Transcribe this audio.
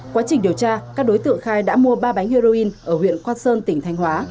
quá trình điều tra các đối tượng khai đã mua ba bánh heroin ở huyện quan sơn tỉnh thanh hóa